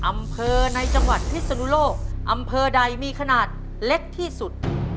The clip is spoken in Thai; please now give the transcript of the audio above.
อำเภอในจังหวัดพิศนุโลกอำเภอใดมีขนาดเล็กที่สุด